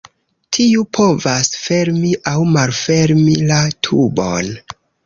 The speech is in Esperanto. Tiu povas fermi aŭ malfermi la tubon.